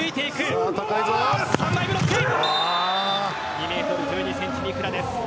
２ｍ１２ｃｍ、ニクラです。